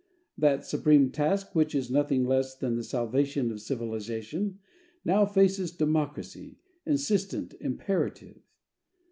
That supreme task, which is nothing less than the salvation of civilization, now faces democracy, insistent, imperative.